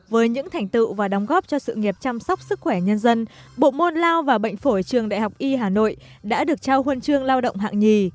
với những thành tựu và đóng góp cho sự nghiệp chăm sóc sức khỏe nhân dân bộ môn lao và bệnh phổi trường đại học y hà nội đã được trao huân chương lao động hạng nhì